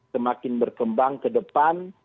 semakin berkembang ke depan